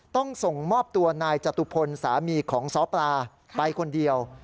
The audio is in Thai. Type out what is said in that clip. ต้องส่งมอบตัวนายจตุพลสามีของซ้อปลาไปคนเดียว